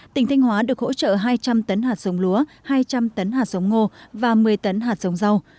tỉnh thanh hóa được hỗ trợ hai trăm linh tấn hạt sống lúa hai trăm linh tấn hạt sống ngô và một mươi tấn hạt sống rau